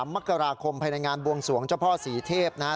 มกราคมภายในงานบวงสวงเจ้าพ่อศรีเทพนะฮะ